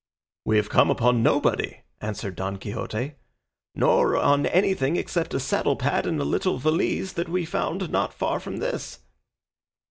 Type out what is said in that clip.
"We have come upon nobody," answered Don Quixote, "nor on anything except a saddle pad and a little valise that we found not far from this."